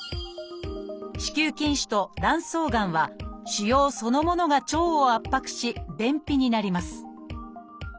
「子宮筋腫」と「卵巣がん」は腫瘍そのものが腸を圧迫し便秘になります